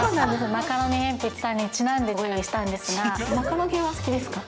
マカロニえんぴつさんにちなんでご用意したんですが、マカロニは好きですか？